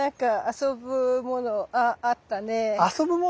遊ぶもの？